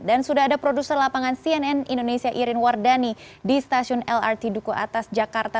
dan sudah ada produser lapangan cnn indonesia irin wardani di stasiun lrt duku atas jakarta